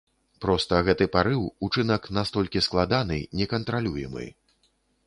Проста гэты парыў, учынак настолькі складаны, некантралюемы.